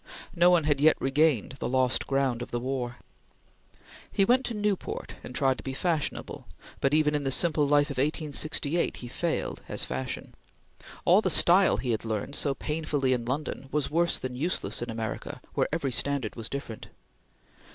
No one had yet regained the lost ground of the war. He went to Newport and tried to be fashionable, but even in the simple life of 1868, he failed as fashion. All the style he had learned so painfully in London was worse than useless in America where every standard was different.